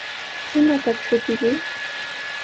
¿Imataq shutiyki?